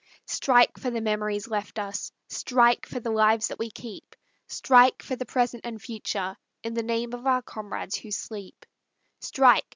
Strike for the memories left us, Strike for the lives that we keep, Strike for the present and future, In the name of our comrades who sleep; Strike!